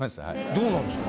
どうなんですか？